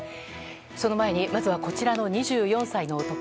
その前にまずはこちらの２４歳の男。